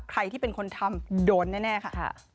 ใครที่เป็นคนทำโดนแน่ค่ะ